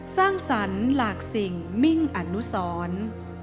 สร้างสรรค์หลากสิ่งมิ่งอนุสร